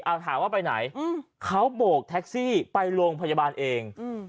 อ่าถามว่าไปไหนอืมเขาโบกไปโรงพยาบาลเองอืม